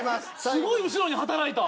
すごい後ろに働いた。